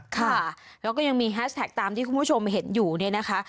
ค่ะแล้วก็ยังมีแฮชแท็กตามที่คุณผู้ชมเห็นอยู่เนี่ยนะคะ